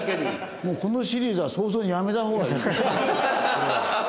もうこのシリーズは早々にやめた方がいい。